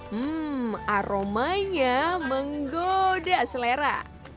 hmm aromanya menggoda selera